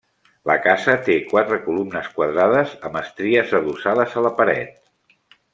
La casa té quatre columnes quadrades amb estries adossades a la paret.